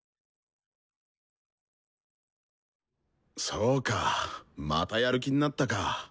そうかまたやる気になったか。